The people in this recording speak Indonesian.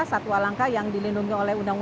satwa langka yang dilindungi oleh